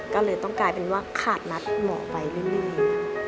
ก็เลยต้องกลายเป็นว่าขาดนัดเหมาะไปเรื่อย